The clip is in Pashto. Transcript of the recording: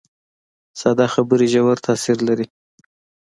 ساده خبرې ژور تاثیر لري